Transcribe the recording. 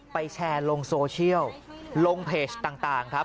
แชร์ลงโซเชียลลงเพจต่างครับ